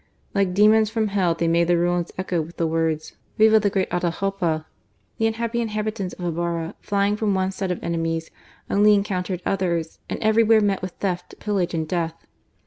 Like demons from Hell they made the ruins echo with the words: ^* Viva the great Atahualpa !" The unhappy inhabitants of Ibarra, flying from one set of enemies, only encountered others, and everywhere met with theft, pillage, and death.